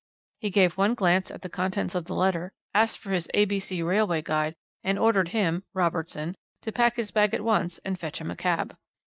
He gave one glance at the contents of the letter, asked for his A.B.C. Railway Guide, and ordered him (Robertson) to pack his bag at once and fetch him a cab.